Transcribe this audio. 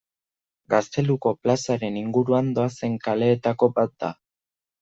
Gazteluko plazaren inguruan doazen kaleetako bat da.